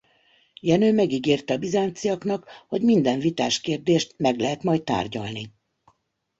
Jenő megígérte a bizánciaknak hogy minden vitás kérdést meg lehet majd tárgyalni.